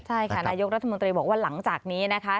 ใช่ค่ะนายกรัฐมนตรีบอกว่าหลังจากนี้นะคะ